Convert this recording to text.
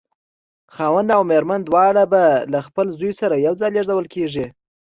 خاوند او مېرمن دواړه به له خپل زوی سره یو ځای لېږدول کېږي.